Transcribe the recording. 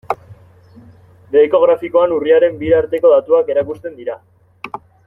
Beheko grafikoan urriaren bira arteko datuak erakusten dira.